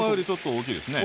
大きいですね。